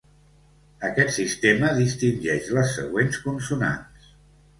Aquest sistema distingeix les següents consonants.